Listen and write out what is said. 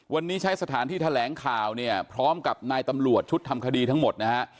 วันนี้ใช้สถานที่แถลงข่าวเนี่ยพร้อมกับนายตำรวจชุดทำคดีทั้งหมดนะฮะ